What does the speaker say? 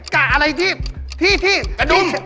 กระดุ่ม